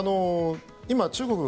今、中国